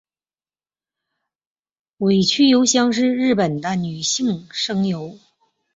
尾崎由香是日本的女性声优。